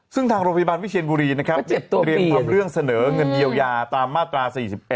ซึ่งทางโรงพยาบาลวิเชียนบุรีนะครับเตรียมรวมเรื่องเสนอเงินเยียวยาตามมาตรา๔๑